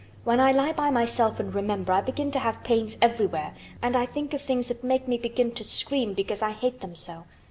"When I lie by myself and remember I begin to have pains everywhere and I think of things that make me begin to scream because I hate them so.